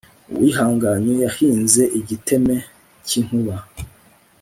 uwihanganye yahinze igiteme cy'inkuba